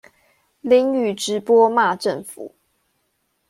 淋雨直播罵政府